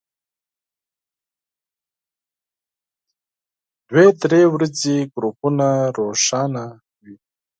دوه درې ورځې ګروپونه روښانه وي.